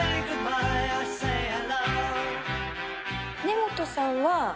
根本さんは。